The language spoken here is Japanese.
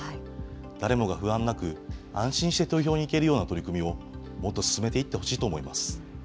誰もが不安なく、安心して投票に行けるような取り組みを、もっと進めていってほしいと思います。